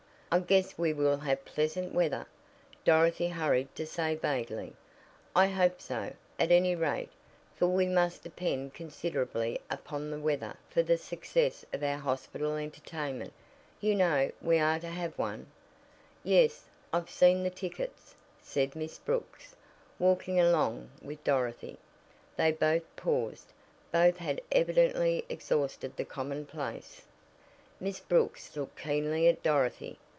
"I guess we will have pleasant weather," Dorothy hurried to say vaguely. "I hope so, at any rate, for we must depend considerably upon the weather for the success of our hospital entertainment. You know, we are to have one." "Yes, I've seen the tickets," said Miss Brooks, walking along with Dorothy. Then both paused. Both had evidently exhausted the commonplace. Miss Brooks looked keenly at Dorothy.